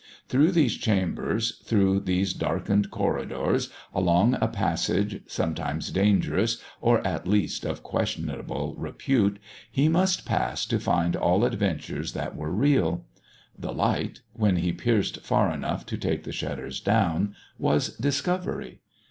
Through these chambers, through these darkened corridors, along a passage, sometimes dangerous, or at least of questionable repute, he must pass to find all adventures that were real. The light when he pierced far enough to take the shutters down was discovery.